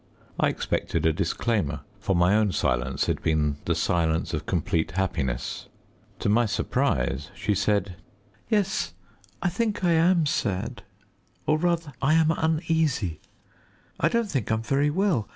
I expected a disclaimer, for my own silence had been the silence of complete happiness. To my surprise she said "Yes. I think I am sad, or rather I am uneasy. I don't think I'm very well.